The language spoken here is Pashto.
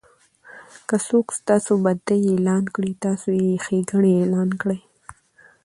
که څوک ستاسي بدي اعلان کړي؛ تاسي ئې ښېګړني اعلان کړئ!